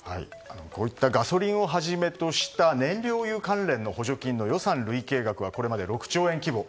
こういったガソリンをはじめとした燃料油関連の補助金の予算累計額はこれまで６兆円規模。